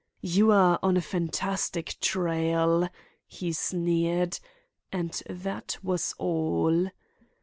"You are on a fantastic trail," he sneered, and that was all.